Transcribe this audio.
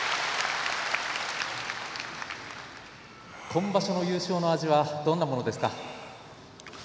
今場所の優勝の味はどんなものですか？